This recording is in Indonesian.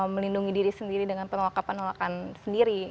melindungi diri sendiri dengan penolakan penolakan sendiri